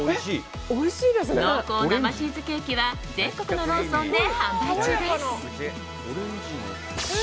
濃厚生チーズケーキは全国のローソンで販売中です。